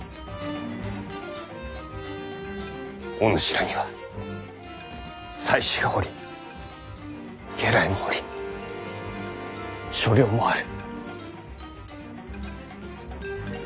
お主らには妻子がおり家来もおり所領もある。